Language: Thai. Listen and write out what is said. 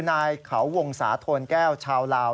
นายเขาวงศาโทนแก้วชาวลาว